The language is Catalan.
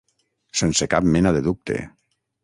Sense cap mena de dubte.